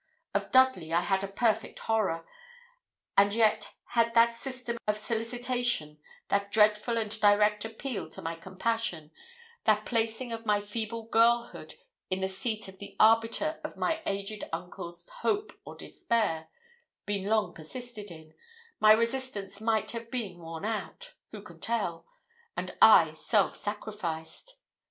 Of Dudley I had a perfect horror; and yet had that system of solicitation, that dreadful and direct appeal to my compassion, that placing of my feeble girlhood in the seat of the arbiter of my aged uncle's hope or despair, been long persisted in, my resistance might have been worn out who can tell? and I self sacrificed!